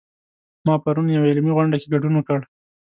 ما پرون یوه علمي غونډه کې ګډون وکړ